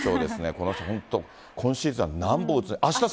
この人、本当、今シーズンは何本打つ。